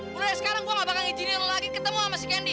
mulai sekarang gue gak bakal ngijinin lo lagi ketemu sama si candy